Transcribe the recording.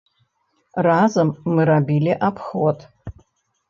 Разам мы рабілі абход.